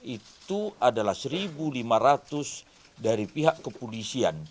itu adalah satu lima ratus dari pihak kepolisian